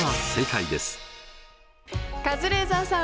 カズレーザーさん